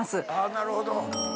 なるほど。